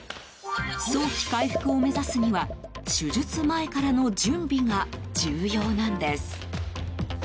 早期回復を目指すには手術前からの準備が重要なんです。